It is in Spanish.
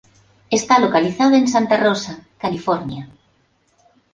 Está localizada en Santa Rosa, California.